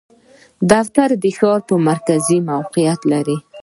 دفتر د ښار په مرکز کې موقعیت لری